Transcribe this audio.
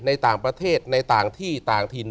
ในต่างประเทศในต่างที่ต่างถิ่น